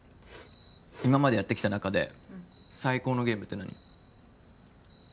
今までやってきた中で最高のゲームって何？